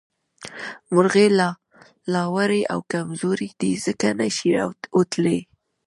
مرغۍ لا وړې او کمزورې دي ځکه نه شي اوتلې